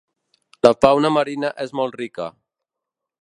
La fauna marina és molt rica.